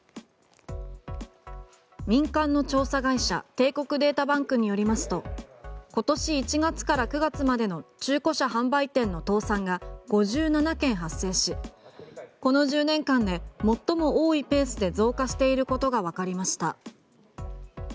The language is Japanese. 民間の調査会社帝国データバンクによりますと今年１月から９月までの中古車販売店の倒産が５７件発生しこの１０年間で最も多いペースで増加していることがわかりました。